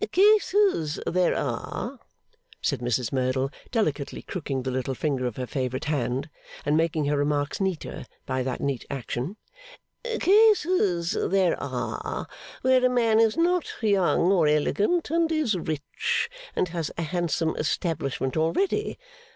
'Cases there are,' said Mrs Merdle, delicately crooking the little finger of her favourite hand, and making her remarks neater by that neat action; 'cases there are where a man is not young or elegant, and is rich, and has a handsome establishment already.